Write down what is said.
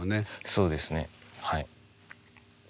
そうですねはい。